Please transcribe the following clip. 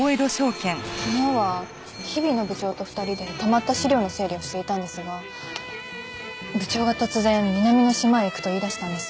昨日は日比野部長と２人でたまった資料の整理をしていたんですが部長が突然「南の島へ行く」と言い出したんです。